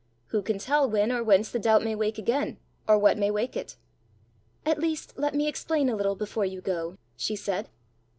"Who can tell when or whence the doubt may wake again, or what may wake it!" "At least let me explain a little before you go," she said.